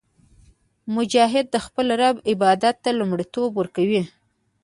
مجاهد د خپل رب عبادت ته لومړیتوب ورکوي.